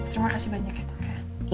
terima kasih banyak ya dokter